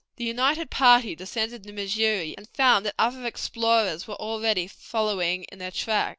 The united party descended the Missouri, and found that other explorers were already following in their track.